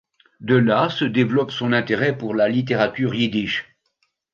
De là se développe son intérêt pour la littérature yiddish.